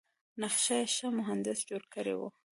نقشه یې ښه مهندس جوړه کړې وه.